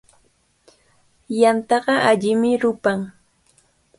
Yantaqa allimi rupan.